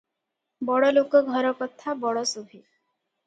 ବଡ଼ଲୋକ ଘରକଥା ବଡ଼ ଶୁଭେ ।